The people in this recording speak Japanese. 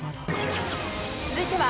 続いては